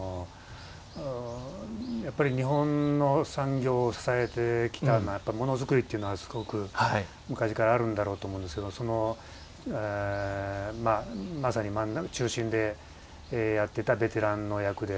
やっぱり日本の産業を支えてきたものづくりというのはすごく昔からあるんだろうとそのまさに中心でやっていたベテランの役で。